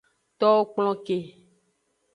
Towo kplon ke.